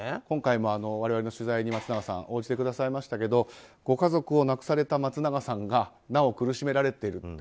今回も我々の取材に松永さんは応じてくださいましたがご家族を亡くされた松永さんがなお苦しめられている。